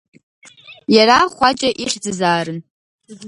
Иара Хәаҷа ихьӡзаарын.